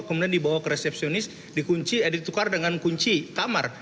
kemudian dibawa ke resepsionis eh ditukar dengan kunci kamar